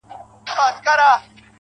خاونده زور لرم خواږه خو د يارۍ نه غواړم.